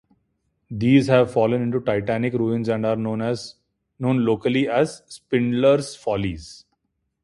These have fallen into titanic ruins and are known locally as "Spindler's Follies".